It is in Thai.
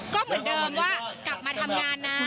ก็เหมือนเดิมว่ากลับมาทำงานนะ